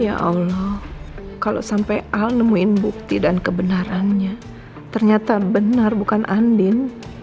ya allah kalau sampai al nemuin bukti dan kebenarannya ternyata benar bukan andin